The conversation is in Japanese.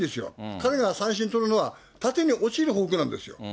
彼が三振取るのは縦に落ちるフォークなんですよ。